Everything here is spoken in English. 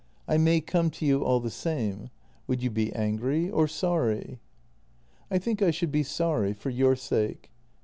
" I may come to you, all the same. Would you be angry — or sorry? " "I think I should be sorry — for your sake.